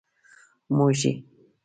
موږي.